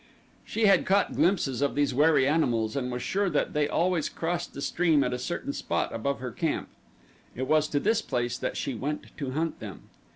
She had caught glimpses of these wary animals and was sure that they always crossed the stream at a certain spot above her camp. It was to this place that she went to hunt them.